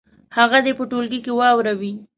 هغه دې په ټولګي کې واوروي.